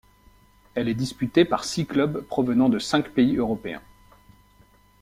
Elle est disputée par six clubs provenant de cinq pays européens.